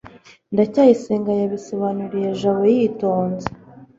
ndacyayisenga yabisobanuriye jabo yitonze